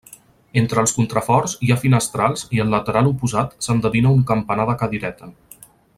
Entre els contraforts hi ha finestrals i al lateral oposat s'endevina un campanar de cadireta.